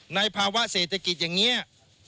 ในภาวะเศรษฐกิจอย่างเงี้ย